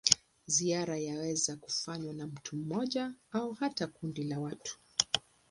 Ziara yaweza kufanywa na mtu mmoja au hata kundi la watu.